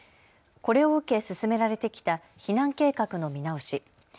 これを受け進められてきた避難計画の見直し。